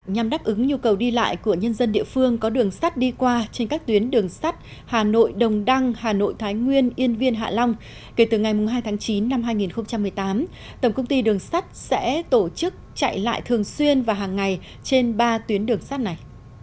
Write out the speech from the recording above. nhằm đáp ứng nhu cầu đi lại của nhân dân địa phương có đường sắt đi qua trên các tuyến đường sắt hà nội đồng đăng hà nội thái nguyên yên viên hạ long kể từ ngày hai tháng chín năm hai nghìn một mươi tám tổng công ty đường sắt sẽ tổ chức chạy lại thường xuyên và hàng ngày trên ba tuyến đường sắt này